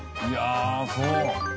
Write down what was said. いやあそう。